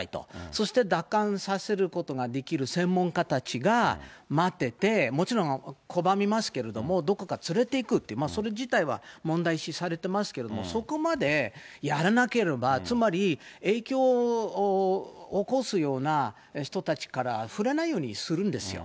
そして奪還させることができる専門家たちが待ってて、もちろん拒みますけれども、どこか連れていくって、それ自体は問題視されてますけれども、そこまでやらなければ、つまり影響を起こすような人たちから触れないようにするんですよ。